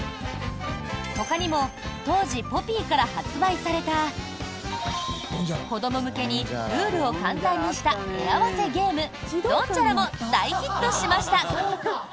ほかにも当時、ポピーから発売された子ども向けにルールを簡単にした絵合わせゲームドンジャラも大ヒットしました！